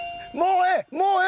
もうええ！